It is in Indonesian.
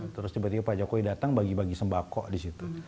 terus tiba tiba pak jokowi datang bagi bagi sembako di situ